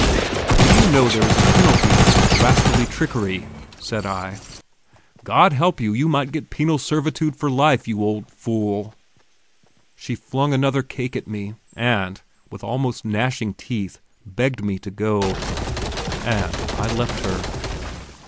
"Do you know there is a penalty for such rascally trickery," said I; "God help you, you might get penal servitude for life, you old fool!" She flung another cake to me, and, with almost gnashing teeth, begged me to go. And I left her.